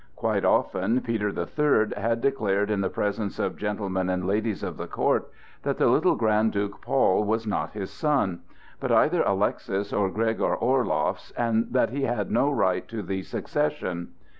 Quite often Peter the Third had declared in the presence of gentlemen and ladies of the court that the little Grand Duke Paul was not his son, but either Alexis or Gregor Orloff's, and that he had no right to the succession.